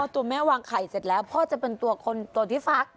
ตัวแม่วางไข่เสร็จแล้วพ่อจะเป็นตัวคนตัวที่ฟัก